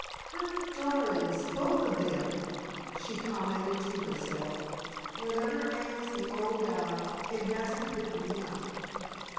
"Perfect darlings, both of them!" she commented to herself. "Whatever ails the old guy, it hasn't bitten them.